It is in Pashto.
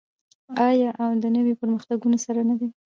آیا او د نویو پرمختګونو سره نه دی؟